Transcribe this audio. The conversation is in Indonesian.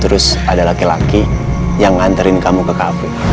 terus ada laki laki yang nganterin kamu ke kafe